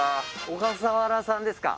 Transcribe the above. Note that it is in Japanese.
小笠原さんですか？